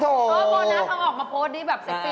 โอ้โธ่โอ้โธ่นะเอาออกมาโพสต์ดิแบบเซ็กซี่ป่ะเนี่ย